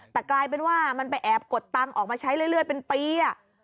แต่กลายเป็นว่ามันไปแอบกดตังค์ออกมาใช้เรื่อยเป็นปี